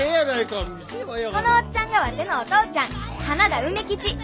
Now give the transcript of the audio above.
このおっちゃんがワテのお父ちゃん花田梅吉。